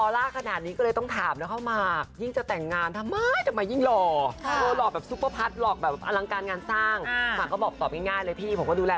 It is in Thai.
แล้วกับความหวานว่าที่เธอบาลคนล่าสุดท้ายเดียวกัน